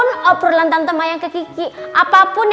terima kasih sus